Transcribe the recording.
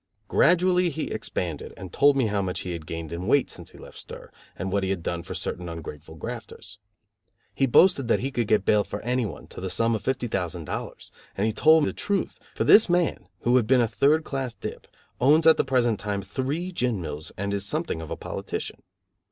Gradually he expanded and told me how much he had gained in weight since he left stir and what he had done for certain ungrateful grafters. He boasted that he could get bail for anyone to the sum of fifty thousand dollars, and he told the truth, for this man, who had been a third class dip, owns at the present time, three gin mills and is something of a politician.